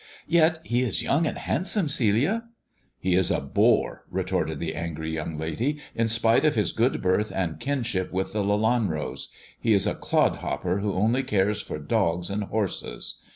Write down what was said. "Yet he is young and handsome, Celia." "He is a bore," retorted the angry young lady, "in spite of his good birth and kinship with the Lelanros ; he is a clodhopper who only cares for dogs and horses.